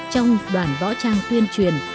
trong đoàn võ trang tuyên truyền